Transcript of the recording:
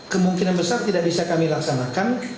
kemungkinan besar tidak bisa kami laksanakan